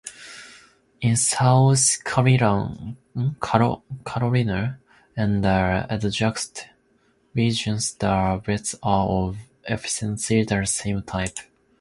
In South Carolina and adjacent regions the beds are of essentially the same type.